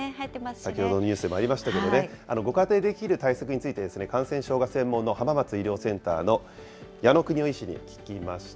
先ほどニュースでもありましたけど、ご家庭でできる対策について、感染症が専門の浜松医療センターの、矢野邦夫医師に聞きました。